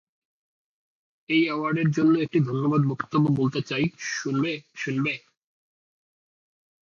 এই এডওয়ার্ড এর জন্য একটি ধন্যবাদ বক্তব্য বলতে চাই, শুনবে শুনবে?